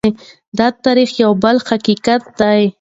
دا د تاریخ یو بل حقیقت دی.